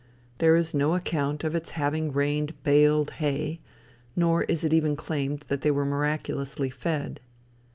There is no account of its having rained baled hay, nor is it even claimed that they were miraculously fed.